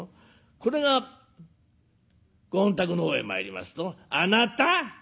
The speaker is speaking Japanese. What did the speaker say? これがご本宅の方へ参りますと「あなた！」。